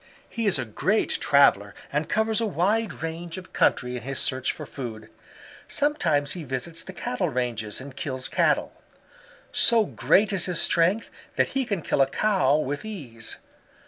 "He is a great traveler and covers a wide range of country in his search for food. Sometimes he visits the Cattle ranges and kills Cattle. So great is his strength that he can kill a Cow with ease.